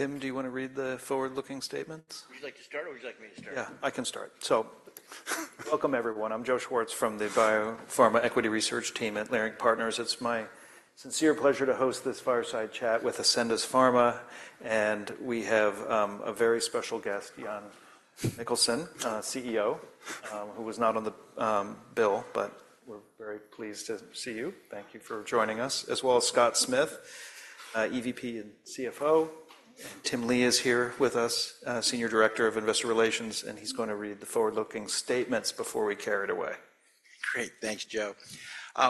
Tim, do you want to read the forward-looking statements? Would you like to start, or would you like me to start? Yeah, I can start. So, welcome, everyone. I'm Jose Schwartz from the Biopharma Equity Research Team at Leerink Partners. It's my sincere pleasure to host this fireside chat with Ascendis Pharma, and we have a very special guest, Jan Mikkelsen, CEO, who was not on the bill, but we're very pleased to see you. Thank you for joining us. As well as Scott Smith, EVP and CFO. Tim Lee is here with us, Senior Director of Investor Relations, and he's going to read the forward-looking statements before we carry it away. Great. Thanks, Joe.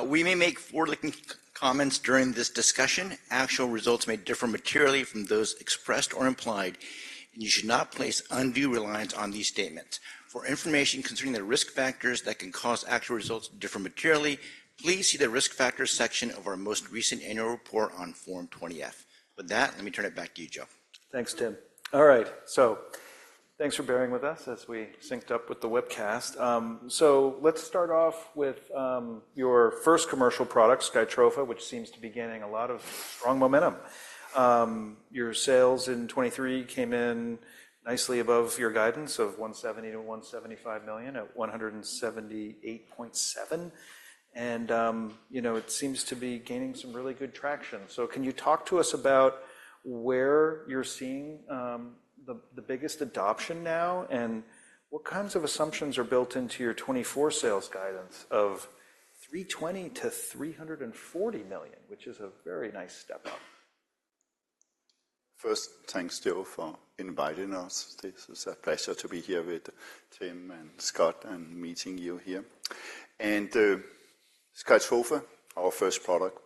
We may make forward-looking comments during this discussion. Actual results may differ materially from those expressed or implied, and you should not place undue reliance on these statements. For information concerning the risk factors that can cause actual results to differ materially, please see the Risk Factors section of our most recent annual report on Form 20-F. With that, let me turn it back to you, Joe. Thanks, Tim. All right, so thanks for bearing with us as we synced up with the webcast. So let's start off with your first commercial product, Skytrofa, which seems to be gaining a lot of strong momentum. Your sales in 2023 came in nicely above your guidance of $170 million-$175 million at $178.7 million, and you know, it seems to be gaining some really good traction. So can you talk to us about where you're seeing the biggest adoption now, and what kinds of assumptions are built into your 2024 sales guidance of $320 million-$340 million, which is a very nice step up? First, thanks, Joe, for inviting us. This is a pleasure to be here with Tim and Scott, and meeting you here. Skytrofa, our first product,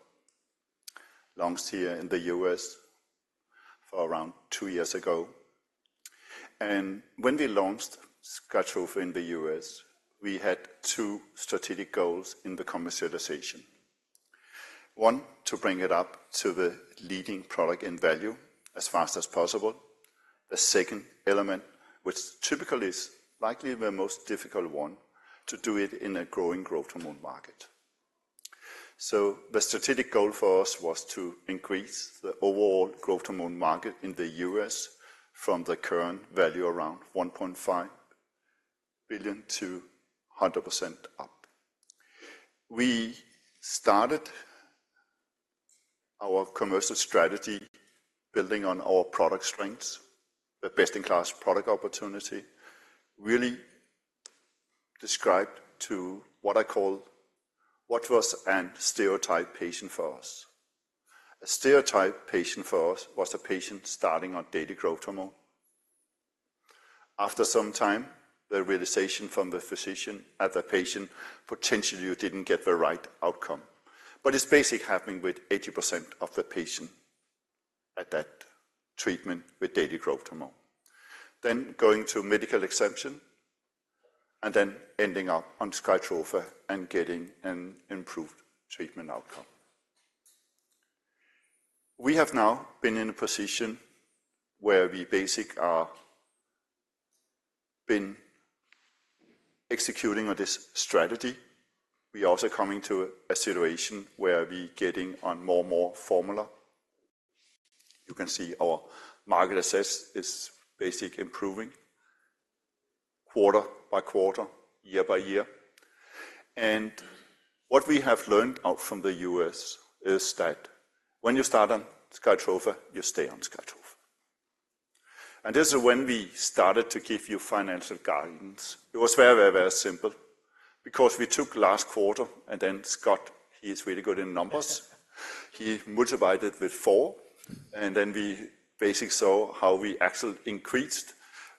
launched here in the U.S. around two years ago. And when we launched Skytrofa in the U.S., we had two strategic goals in the commercialization. One, to bring it up to the leading product in value as fast as possible. The second element, which typically is likely the most difficult one, to do it in a growing growth hormone market. So the strategic goal for us was to increase the overall growth hormone market in the U.S. from the current value, around $1.5 billion, 100% up. We started our commercial strategy building on our product strengths, a best-in-class product opportunity, really described to what I call what was a stereotype patient for us. A stereotypical patient for us was a patient starting on daily growth hormone. After some time, the realization from the physician to the patient, potentially you didn't get the right outcome, but it's basically happening with 80% of the patients that are treated with daily growth hormone. Then going to medical exemption, and then ending up on Skytrofa and getting an improved treatment outcome. We have now been in a position where we basically have been executing on this strategy. We are also coming to a situation where we are getting on more and more formulary. You can see our market access is basically improving quarter by quarter, year by year. And what we have learned from the U.S. is that when you start on Skytrofa, you stay on Skytrofa. And this is when we started to give you financial guidance. It was very, very, very simple because we took last quarter, and then Scott, he is really good in numbers. He multiplied it with four, and then we basically saw how we actually increased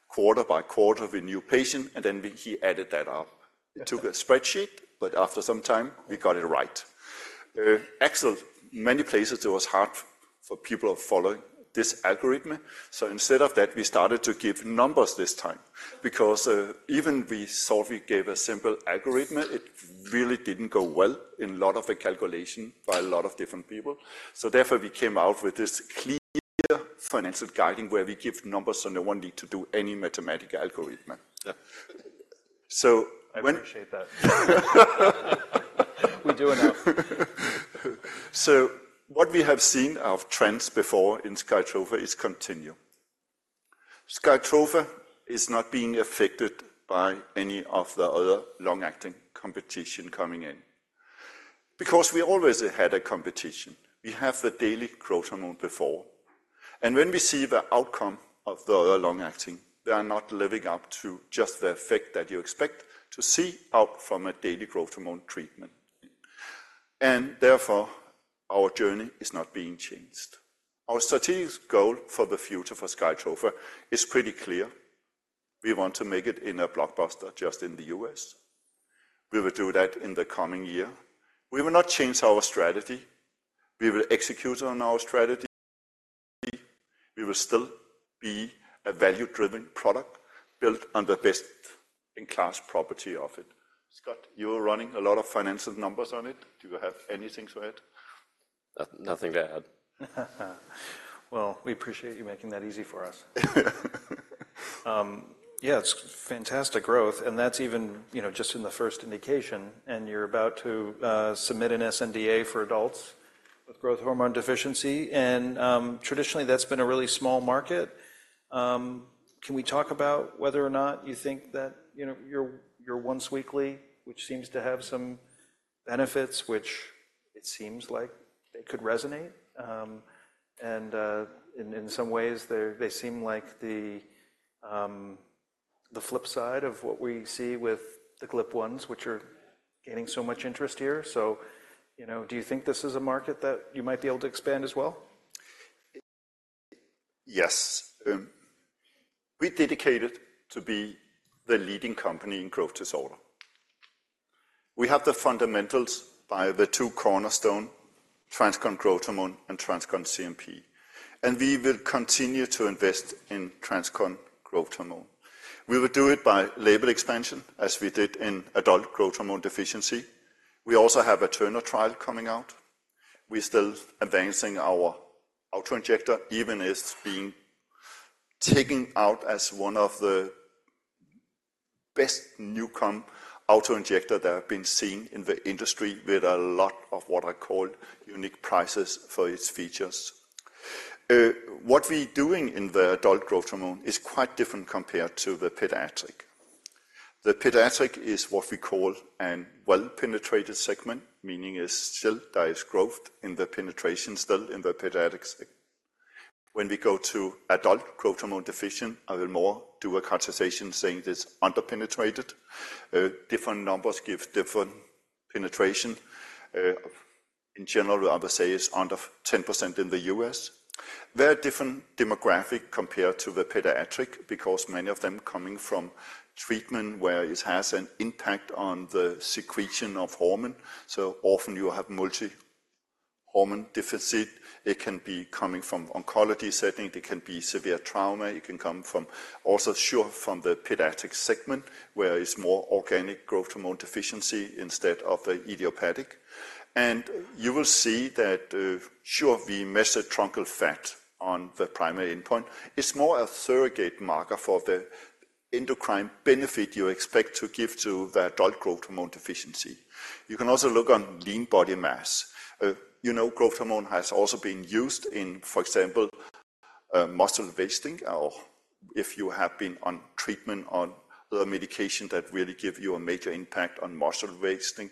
quarter by quarter with new patient, and then he added that up. Yeah. It took a spreadsheet, but after some time, we got it right. Actually, many places, it was hard for people to follow this algorithm. So instead of that, we started to give numbers this time, because, even we thought we gave a simple algorithm, it really didn't go well in a lot of the calculation by a lot of different people. So therefore, we came out with this clear financial guiding, where we give numbers, so no one need to do any mathematical algorithm. Yeah. So when- I appreciate that. We do enough. So, what we have seen of trends before in Skytrofa is continue. Skytrofa is not being affected by any of the other long-acting competition coming in, because we always had a competition. We have the daily growth hormone before, and when we see the outcome of the other long-acting, they are not living up to just the effect that you expect to see out from a daily growth hormone treatment. And therefore, our journey is not being changed. Our strategic goal for the future for Skytrofa is pretty clear. We want to make it in a blockbuster just in the U.S. We will do that in the coming year. We will not change our strategy. We will execute on our strategy. We will still be a value-driven product built on the best-in-class property of it. Scott, you are running a lot of financial numbers on it. Do you have anything to add? Nothing to add. Well, we appreciate you making that easy for us. Yeah, it's fantastic growth, and that's even, you know, just in the first indication, and you're about to submit an sNDA for adults with growth hormone deficiency, and traditionally, that's been a really small market. Can we talk about whether or not you think that, you know, your once weekly, which seems to have some benefits, which it seems like it could resonate? And in some ways, they seem like the flip side of what we see with the GLP-1s, which are gaining so much interest here. So, you know, do you think this is a market that you might be able to expand as well? Yes. We are dedicated to be the leading company in growth disorder. We have the fundamentals by the two cornerstone, TransCon Growth Hormone and TransCon CNP, and we will continue to invest in TransCon Growth Hormone. We will do it by label expansion, as we did in adult growth hormone deficiency. We also have a Turner trial coming out. We're still advancing our auto-injector, even as it's being taken out as one of the best new combo auto-injector that have been seen in the industry, with a lot of what I call unique pluses for its features. What we're doing in the adult growth hormone is quite different compared to the pediatric. The pediatric is what we call a well-penetrated segment, meaning there still is growth in the penetration still in the pediatric segment. When we go to adult growth hormone deficient, I will more do a conversation saying it is under-penetrated. Different numbers give different penetration. In general, I would say it's under 10% in the U.S. Very different demographic compared to the pediatric, because many of them coming from treatment where it has an impact on the secretion of hormone. So often you have multi-hormone deficit. It can be coming from oncology setting, it can be severe trauma, it can come from also from the pediatric segment, where it's more organic growth hormone deficiency instead of the idiopathic. And you will see that, we measure truncal fat on the primary endpoint. It's more a surrogate marker for the endocrine benefit you expect to give to the adult growth hormone deficiency. You can also look on lean body mass. You know, growth hormone has also been used in, for example, muscle wasting, or if you have been on treatment on the medication that really give you a major impact on muscle wasting,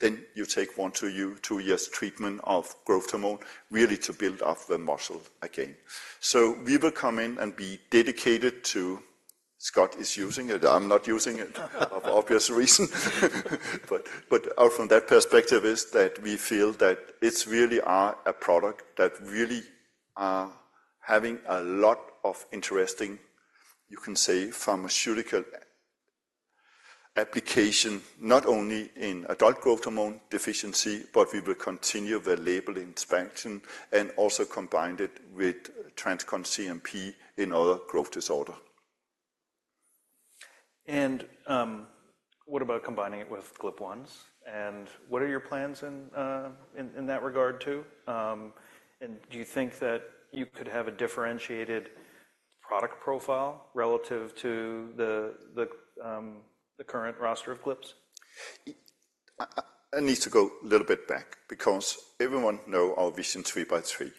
then you take 1-2 years treatment of growth hormone, really to build up the muscle again. So we will come in and be dedicated to Scott is using it. I'm not using it for obvious reason. But, but, from that perspective is that we feel that it's really are a product that really are having a lot of interesting, you can say, pharmaceutical application, not only in adult growth hormone deficiency, but we will continue the label expansion and also combine it with TransCon CNP in other growth disorder. What about combining it with GLP-1s, and what are your plans in that regard, too? And do you think that you could have a differentiated product profile relative to the current roster of GLPs? I need to go a little bit back because everyone know our Vision 3/3.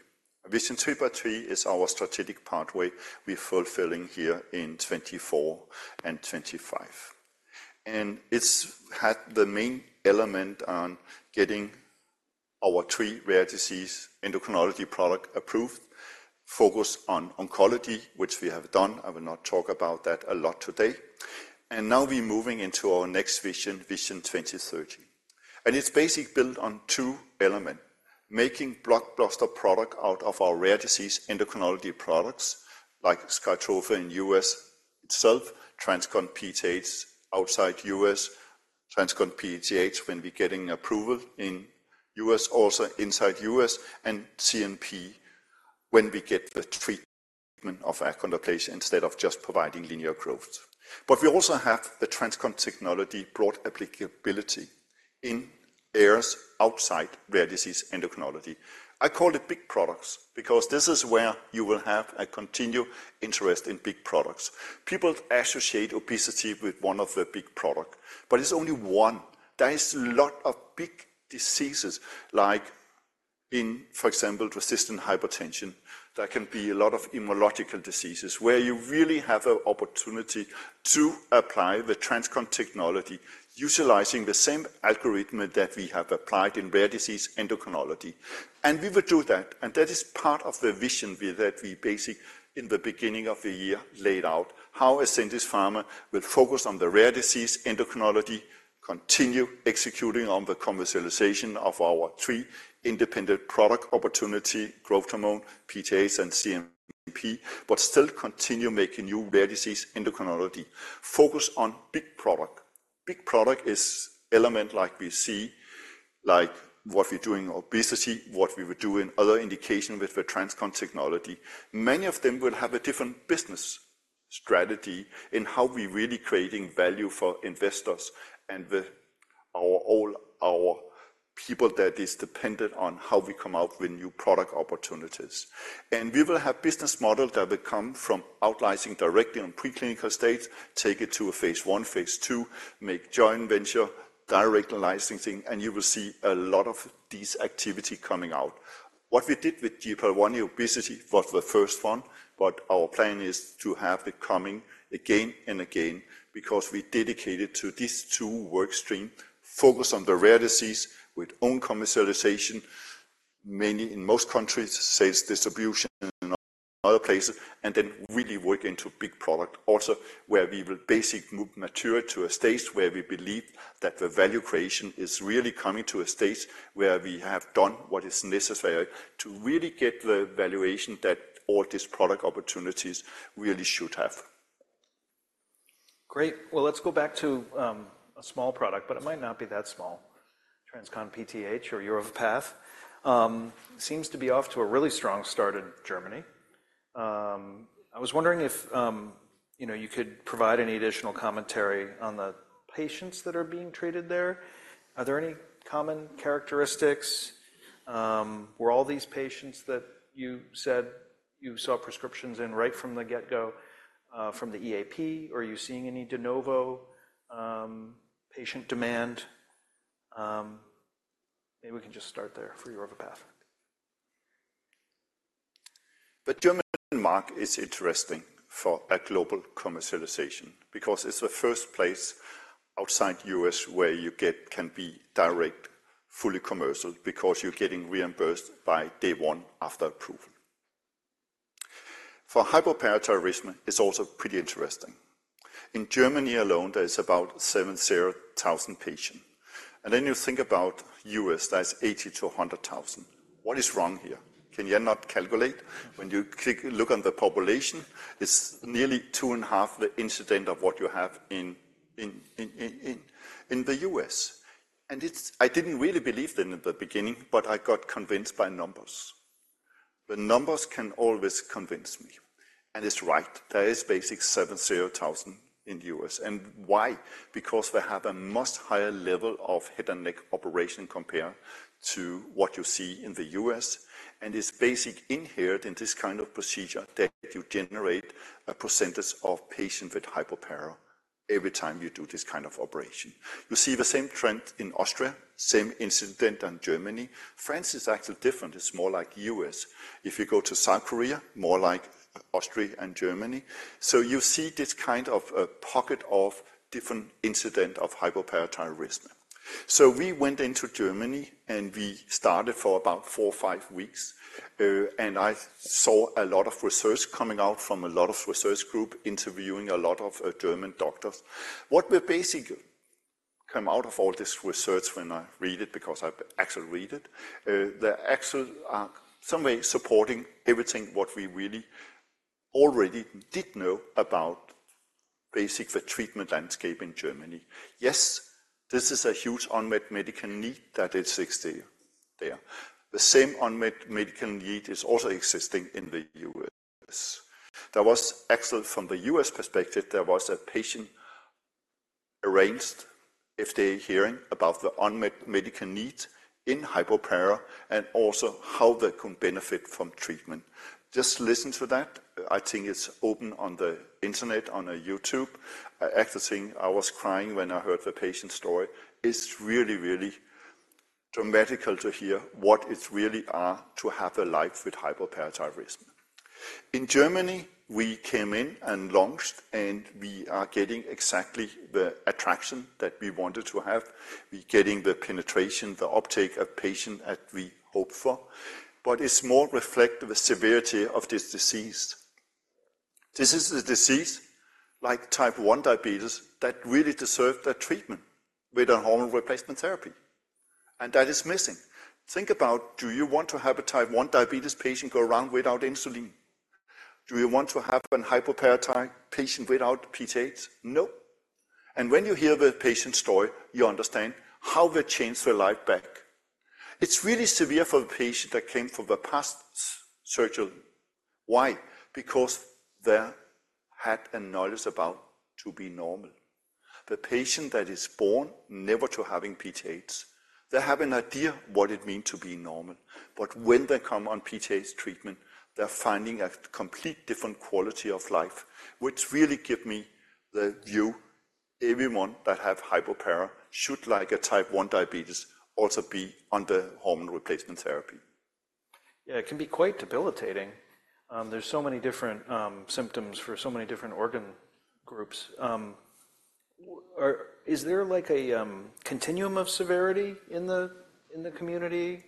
Vision 3/3 is our strategic pathway we're fulfilling here in 2024 and 2025. And it's had the main element on getting our three rare disease endocrinology product approved, focus on oncology, which we have done. I will not talk about that a lot today. And now we're moving into our next vision, Vision 2030. And it's basically built on two element: making blockbuster product out of our rare disease endocrinology products, like Skytrofa in U.S. itself, TransCon PTH outside U.S., TransCon PTH when we're getting approval in U.S., also inside U.S., and TransCon CNP when we get the treatment of achondroplasia, instead of just providing linear growth. But we also have the TransCon technology broad applicability in areas outside rare disease endocrinology. I call it big products, because this is where you will have a continued interest in big products. People associate obesity with one of the big product, but it's only one. There is a lot of big diseases, like in, for example, resistant hypertension. There can be a lot of immunological diseases, where you really have an opportunity to apply the TransCon technology, utilizing the same algorithm that we have applied in rare disease endocrinology. And we will do that, and that is part of the vision that we basically, in the beginning of the year, laid out. How Ascendis Pharma will focus on the rare disease endocrinology, continue executing on the commercialization of our three independent product opportunity, growth hormone, PTH, and CNP, but still continue making new rare disease endocrinology. Focus on big product. Big product is element like we see, like what we're doing obesity, what we will do in other indication with the TransCon technology. Many of them will have a different business strategy in how we're really creating value for investors and with all our people that is dependent on how we come out with new product opportunities. We will have business model that will come from out licensing directly on preclinical stage, take it to a phase one, phase two, make joint venture, direct licensing, and you will see a lot of these activity coming out. What we did with GLP-1, obesity, was the first one, but our plan is to have it coming again and again because we're dedicated to these two work streams, focus on the rare disease with own commercialization, many in most countries, sales, distribution, and other places, and then really work into big product. Also, where we will basically move material to a stage where we believe that the value creation is really coming to a stage where we have done what is necessary to really get the valuation that all these product opportunities really should have. Great. Well, let's go back to a small product, but it might not be that small. TransCon PTH or Yorvipath seems to be off to a really strong start in Germany. I was wondering if, you know, you could provide any additional commentary on the patients that are being treated there. Are there any common characteristics? Were all these patients that you said you saw prescriptions in right from the get-go from the EAP, or are you seeing any de novo patient demand? Maybe we can just start there for Yorvipath. But Germany and more is interesting for a global commercialization because it's the first place outside U.S. where you can be direct, fully commercial, because you're getting reimbursed by day one after approval. For hypoparathyroidism, it's also pretty interesting. In Germany alone, there is about 70,000 patient. And then you think about U.S., that's 80,000-100,000. What is wrong here? Can you not calculate when you just look on the population, it's nearly 2.5 the incidence of what you have in the U.S. And it's. I didn't really believe them in the beginning, but I got convinced by numbers. The numbers can always convince me, and it's right. There is basically 70,000 in the U.S. And why? Because they have a much higher level of head and neck operation compared to what you see in the U.S., and it's basic inherent in this kind of procedure that you generate a percentage of patients with hypopara every time you do this kind of operation. You see the same trend in Austria, same incidence in Germany. France is actually different. It's more like U.S. If you go to South Korea, more like Austria and Germany. So you see this kind of a pocket of different incidence of hypoparathyroidism. So we went into Germany, and we started for about 4 or 5 weeks, and I saw a lot of research coming out from a lot of research group, interviewing a lot of German doctors. What will basically come out of all this research when I read it, because I actually read it, there actually is some way supporting everything, what we really already did know about the treatment landscape in Germany. Yes, this is a huge unmet medical need that exists there. The same unmet medical need is also existing in the U.S. There was actually, from the U.S. perspective, there was a patient advisory hearing about the unmet medical need in hypoparathyroidism and also how they can benefit from treatment. Just listen to that. I think it's open on the internet, on YouTube. I actually think I was crying when I heard the patient story. It's really, really dramatic to hear what it really is to have a life with hypoparathyroidism. In Germany, we came in and launched, and we are getting exactly the attraction that we wanted to have. We're getting the penetration, the uptake of patient that we hope for, but it's more reflect the severity of this disease. This is a disease like type 1 diabetes, that really deserve the treatment with a hormone replacement therapy, and that is missing. Think about, do you want to have a type 1 diabetes patient go around without insulin? Do you want to have a hypoparathyroid patient without PTH? No. And when you hear the patient story, you understand how they change their life back. It's really severe for the patient that came from the past surgery. Why? Because they had a knowledge about to be normal. The patient that is born never to having PTH, they have an idea what it means to be normal. But when they come on PTH treatment, they're finding a complete different quality of life, which really give me the view everyone that have hypopara should, like a type 1 diabetes, also be on the hormone replacement therapy. Yeah, it can be quite debilitating. There's so many different symptoms for so many different organ groups. Or is there like a continuum of severity in the community?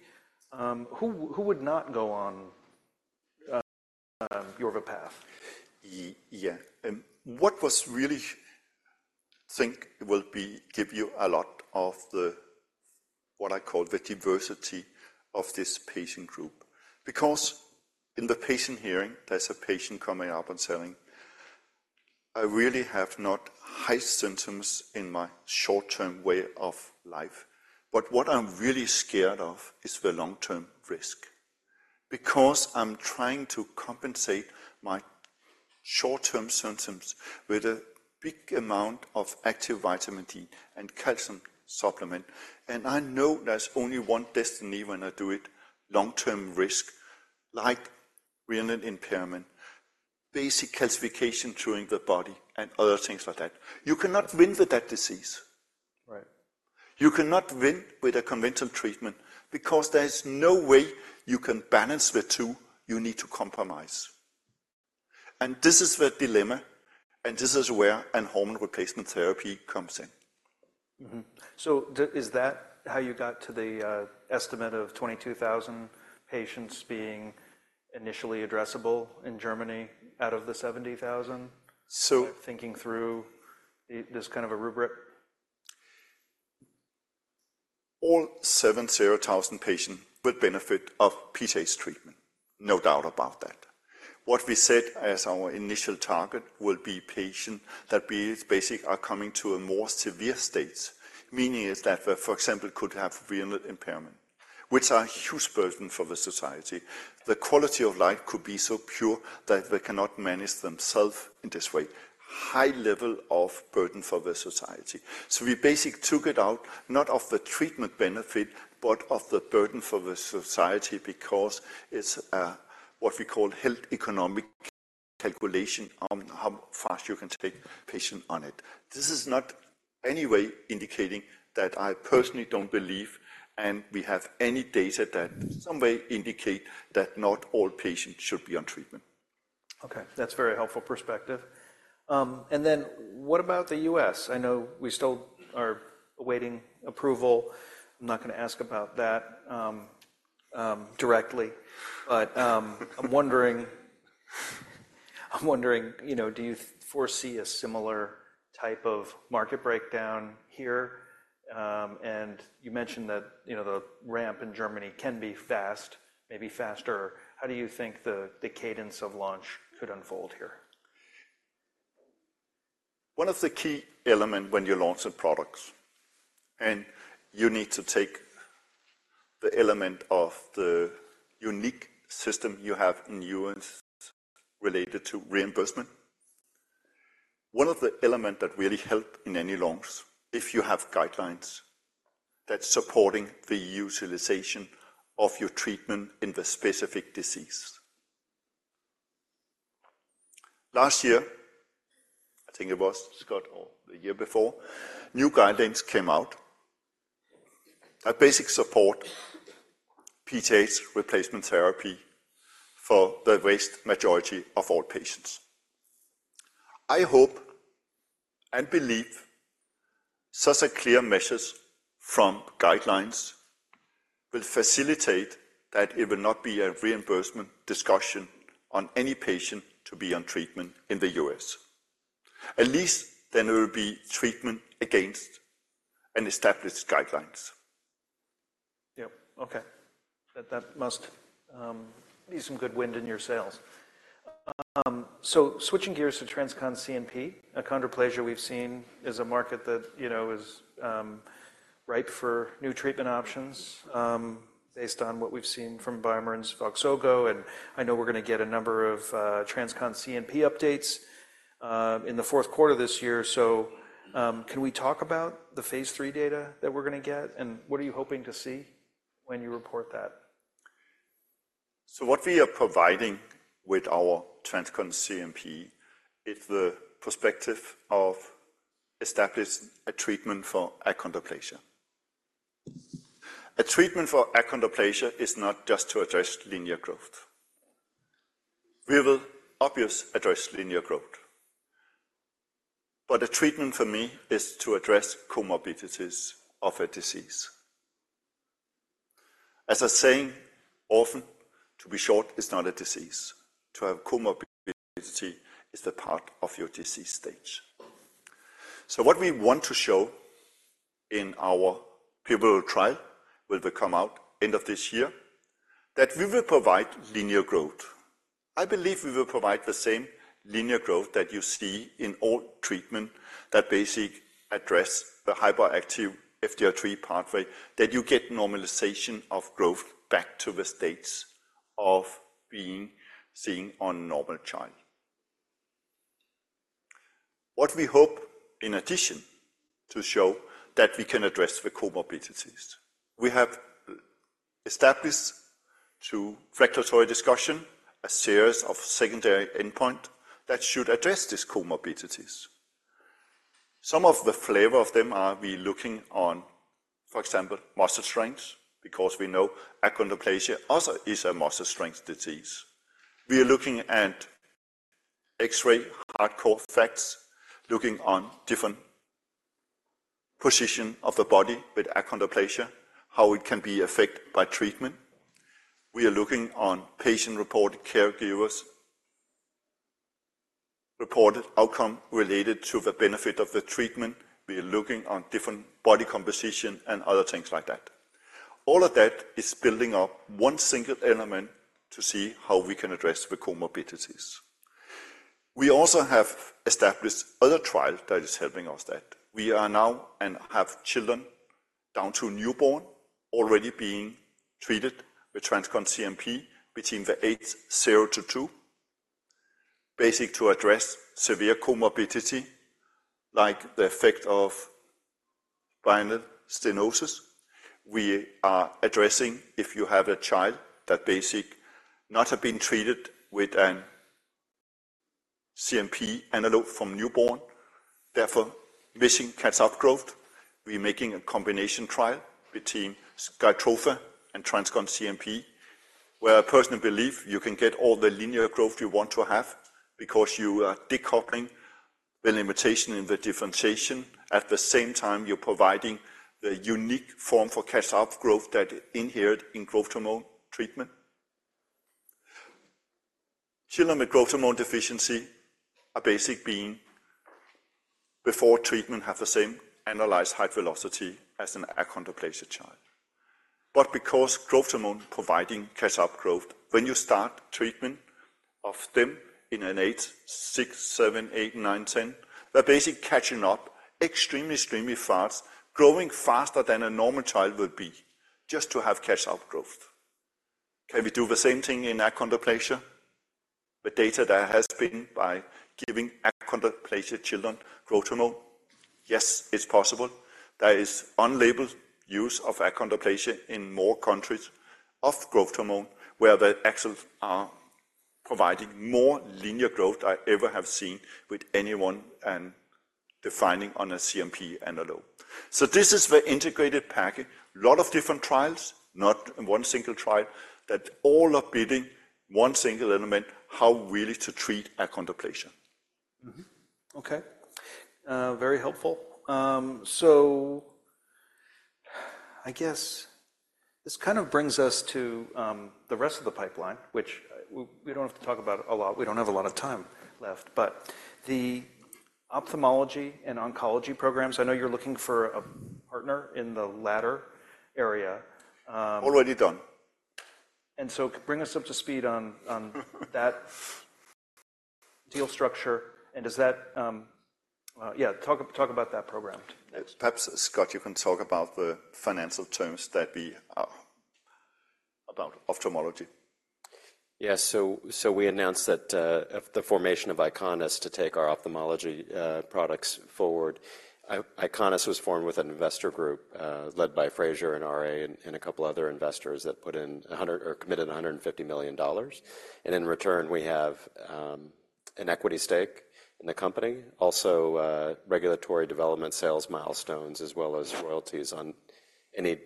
Who would not go on your path? Yeah. What was really think will be give you a lot of the, what I call the diversity of this patient group, because in the patient hearing, there's a patient coming up and saying, "I really have not high symptoms in my short-term way of life, but what I'm really scared of is the long-term risk, because I'm trying to compensate my short-term symptoms with a big amount of active vitamin D and calcium supplement. And I know there's only one destiny when I do it, long-term risk, like renal impairment, basic calcification throughout the body, and other things like that. You cannot win with that disease. Right. You cannot win with a conventional treatment because there is no way you can balance the two. You need to compromise, and this is the dilemma, and this is where a hormone replacement therapy comes in. So, is that how you got to the estimate of 22,000 patients being initially addressable in Germany out of the 70,000? So- Thinking through this kind of a rubric. All 70,000 patients will benefit from PTH treatment, no doubt about that. What we said as our initial target will be patients that, basically, are coming to a more severe stage. Meaning that, for example, could have renal impairment, which is a huge burden for the society. The quality of life could be so poor that they cannot manage themselves in this way. High level of burden for the society. So we basically took it out, not of the treatment benefit, but of the burden for the society, because it's what we call health economic calculation on how fast you can take patients on it. This is not any way indicating that I personally don't believe, and we have any data that in some way indicate that not all patients should be on treatment. Okay, that's a very helpful perspective. And then what about the U.S.? I know we still are awaiting approval. I'm not gonna ask about that directly. But, I'm wondering, you know, do you foresee a similar type of market breakdown here? And you mentioned that, you know, the ramp in Germany can be fast, maybe faster. How do you think the cadence of launch could unfold here? One of the key elements when you launch a product, and you need to take the element of the unique system you have in the U.S. related to reimbursement. One of the elements that really help in any launch, if you have guidelines that's supporting the utilization of your treatment in the specific disease. Last year, I think it was, Scott, or the year before, new guidelines came out that basically support PTH replacement therapy for the vast majority of all patients. I hope and believe such a clear message from guidelines will facilitate that it will not be a reimbursement discussion on any patient to be on treatment in the U.S. At least then it will be treatment against an established guidelines. Yep. Okay. That must be some good wind in your sails. So switching gears to TransCon CNP, achondroplasia we've seen is a market that, you know, is ripe for new treatment options, based on what we've seen from BioMarin's Voxzogo, and I know we're gonna get a number of TransCon CNP updates in the fourth quarter this year. So, can we talk about the phase III data that we're gonna get, and what are you hoping to see when you report that? So what we are providing with our TransCon CNP is the perspective of establishing a treatment for achondroplasia. A treatment for achondroplasia is not just to address linear growth. We will obviously address linear growth, but a treatment for me is to address comorbidities of a disease. As I'm saying, often, to be short is not a disease. To have comorbidity is the part of your disease stage. So what we want to show in our pivotal trial, will come out end of this year, that we will provide linear growth. I believe we will provide the same linear growth that you see in all treatment that basically address the hyperactive FGFR3 pathway, that you get normalization of growth back to the states of being seen on normal child. What we hope, in addition, to show that we can address the comorbidities. We have established through regulatory discussion, a series of secondary endpoint that should address these comorbidities. Some of the flavor of them are we looking on, for example, muscle strength, because we know achondroplasia also is a muscle strength disease. We are looking at X-ray, hardcore facts, looking on different position of the body with achondroplasia, how it can be affected by treatment. We are looking on patient-reported caregivers, reported outcome related to the benefit of the treatment. We are looking on different body composition and other things like that. All of that is building up one single element to see how we can address the comorbidities. We also have established other trial that is helping us, that we are now and have children down to newborn already being treated with TransCon CNP between the age zero to two. Basic to address severe comorbidity, like the effect of foramen stenosis. We are addressing if you have a child that basically not have been treated with a CNP analog from newborn, therefore missing catch-up growth. We're making a combination trial between Skytrofa and TransCon CNP, where I personally believe you can get all the linear growth you want to have because you are decoupling the limitation in the differentiation. At the same time, you're providing the unique form for catch-up growth that inherent in growth hormone treatment. Children with growth hormone deficiency are basically being before treatment have the same annualized height velocity as an achondroplasia child. But because growth hormone providing catch-up growth, when you start treatment of them in an age, 6, 7, 8, 9, 10, they're basically catching up extremely, extremely fast, growing faster than a normal child would be just to have catch-up growth. Can we do the same thing in achondroplasia? The data there has been by giving achondroplasia children growth hormone. Yes, it's possible. There is unlabeled use of achondroplasia in more countries of growth hormone, where the results are providing more linear growth I ever have seen with anyone and defining on a CNP analog. So this is the integrated package. A lot of different trials, not one single trial, that all are building one single element, how really to treat achondroplasia. Okay, very helpful. So, I guess this kind of brings us to the rest of the pipeline, which we don't have to talk about a lot. We don't have a lot of time left, but the ophthalmology and oncology programs, I know you're looking for a partner in the latter area. Already done. And so bring us up to speed on that deal structure, and does that talk about that program. Perhaps, Scott, you can talk about the financial terms about ophthalmology. Yes. So we announced that the formation of Eyconis to take our ophthalmology products forward. Eyconis was formed with an investor group led by Frazier and RA and a couple of other investors that put in a hundred, or committed $150 million. And in return, we have an equity stake in the company, also regulatory development sales milestones, as well as royalties on any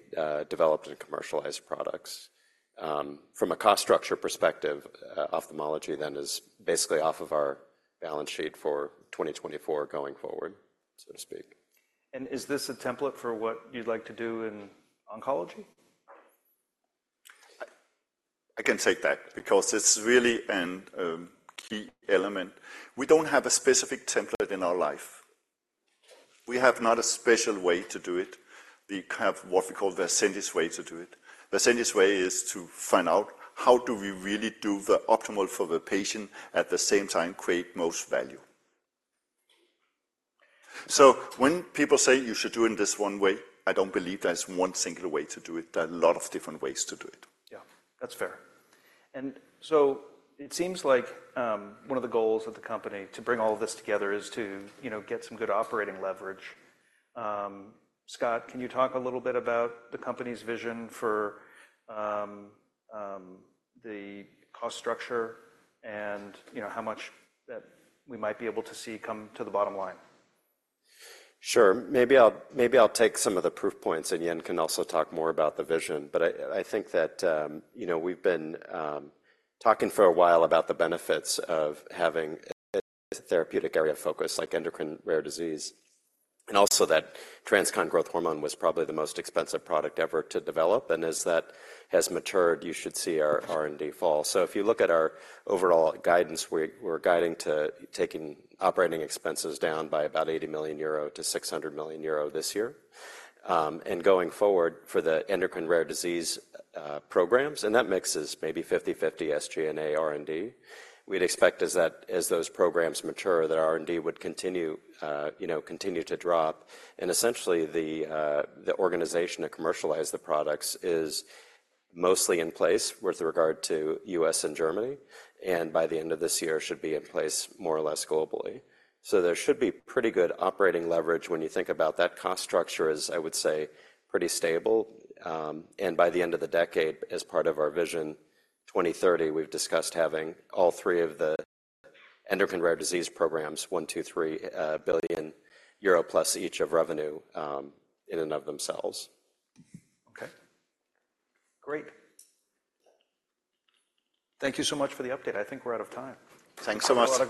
developed and commercialized products. From a cost structure perspective, ophthalmology then is basically off of our balance sheet for 2024 going forward, so to speak. Is this a template for what you'd like to do in oncology? I can take that because it's really a key element. We don't have a specific template in our life. We have not a special way to do it. We have what we call the Ascendis way to do it. The Ascendis way is to find out how do we really do the optimal for the patient, at the same time, create most value. So when people say you should do it in this one way, I don't believe there's one single way to do it. There are a lot of different ways to do it. Yeah, that's fair. So it seems like one of the goals of the company to bring all this together is to, you know, get some good operating leverage. Scott, can you talk a little bit about the company's vision for the cost structure and, you know, how much that we might be able to see come to the bottom line? Sure. Maybe I'll take some of the proof points, and Jan can also talk more about the vision. But I think that, you know, we've been talking for a while about the benefits of having a therapeutic area of focus, like endocrine rare disease, and also that TransCon Growth Hormone was probably the most expensive product ever to develop, and as that has matured, you should see our R&D fall. So if you look at our overall guidance, we're guiding to taking operating expenses down by about 80 million euro to 600 million euro this year. And going forward for the endocrine rare disease programs, and that mix is maybe 50/50 SG&A R&D. We'd expect as those programs mature, that R&D would continue, you know, continue to drop. Essentially, the organization to commercialize the products is mostly in place with regard to U.S. and Germany, and by the end of this year, should be in place more or less globally. So there should be pretty good operating leverage when you think about that cost structure as, I would say, pretty stable. And by the end of the decade, as part of our vision, 2030, we've discussed having all three of the endocrine rare disease programs, 1 billion+, 2 billion+, 3 billion euro+ each of revenue, in and of themselves. Okay. Great. Thank you so much for the update. I think we're out of time. Thanks so much.